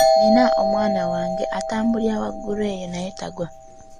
Nina omwana wange atambulira waggulu eyo naye tagwa.